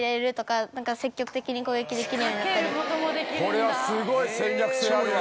これはすごい戦略性あるわ。